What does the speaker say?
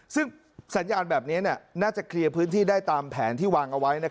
ซึ่งสัญญาณแบบนี้น่าจะเคลียร์พื้นที่ได้ตามแผนที่วางเอาไว้